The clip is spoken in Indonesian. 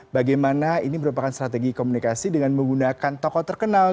bagaimana ini merupakan strategi komunikasi dengan menggunakan tokoh terkenal